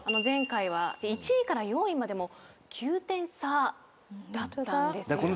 前回は１位から４位までも９点差だったんですよね。